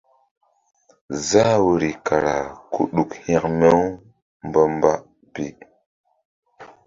Zah woyri kara ku ɗuk hȩkme-umba pi.